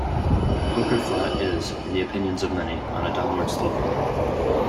Poker Flat is, in the opinions of many, on a downward slope.